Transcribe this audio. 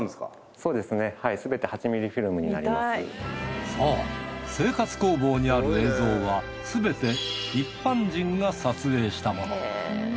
そう生活工房にある映像はすべて一般人が撮影したもの。